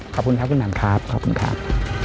ขอบคุณครับคุณนามครับ